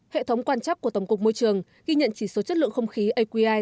hệ thống quan chắc của tổng cục môi trường ghi nhận chỉ số chất lượng không khí aqi